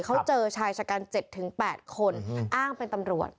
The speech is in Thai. เขาเจอชายชะกัน๗๘คนอ้างเป็นตำรวจ